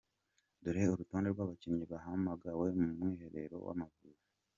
Dore urutonde rw'abakinnyi bahamagawe mu mwiherero w’Amavubi:.